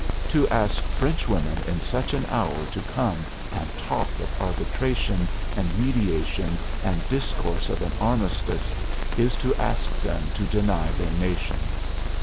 To ask Frenchwomen in such an hour to come and talk of arbitration and mediation and discourse of an armistice is to ask them to deny their nation....